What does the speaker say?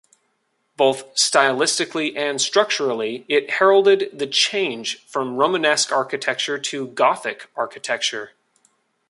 Both stylistically and structurally, it heralded the change from Romanesque architecture to Gothic architecture.